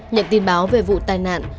nhận tin báo về vụ tai nạn